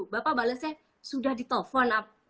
bapak balesnya sudah ditelepon